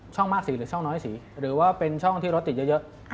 มากสีหรือช่องน้อยสีหรือว่าเป็นช่องที่รถติดเยอะ